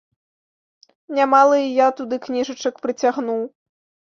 Нямала і я туды кніжачак прыцягнуў.